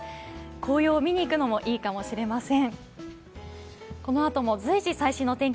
紅葉を見に行くのもいいかもしれません。